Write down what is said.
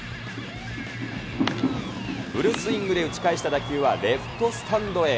フルスイングで打ち返した打球はレフトスタンドへ。